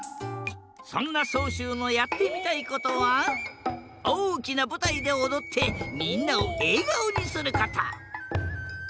そんなそうしゅうのやってみたいことはおおきなぶたいでおどってみんなをえがおにすること。